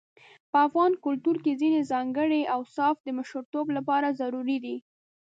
په افغان کلتور کې ځينې ځانګړي اوصاف د مشرتوب لپاره ضروري دي.